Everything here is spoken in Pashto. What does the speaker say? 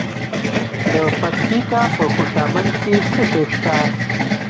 د پکتیکا په خوشامند کې څه شی شته؟